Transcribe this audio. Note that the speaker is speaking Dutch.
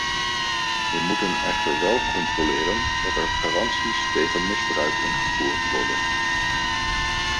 We moeten echter wel controleren dat er garanties tegen misbruik ingevoerd worden.